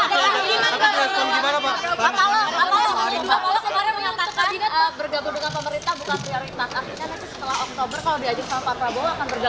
pak paloh kemarin mengatakan bergabung dengan pemerintah bukan prioritas